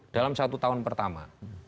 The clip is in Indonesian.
dalam satu tahun pertama